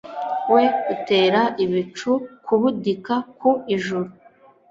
we utera ibicu kubudika ku ijuru